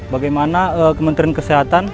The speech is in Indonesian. bagaimana kementerian kesehatan